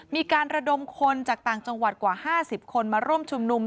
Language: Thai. มีการระดมคนจากต่างจังหวัดกว่า๕๐คนมาร่วมชุมนุม